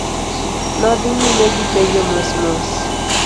Nodhi nyime gipenjo mos mos.